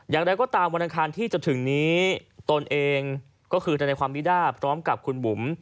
อย่างไรก็ตามวันอังคารที่จะถึงนี้ตนเองก็คือธนายความมีด้าพร้อมกับคุณบุ๋ม